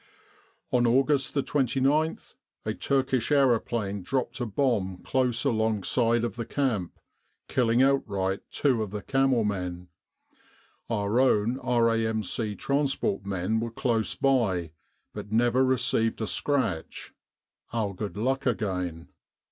"On August 29th a Turkish aeroplane dropped a bomb close alongside of the camp, killing outright two of the camel men. Our own R.A.M.C. trans port men were close by, but never received a scratch our good luck again."